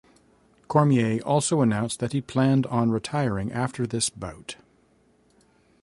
Cormier also announced that he planned on retiring after this bout.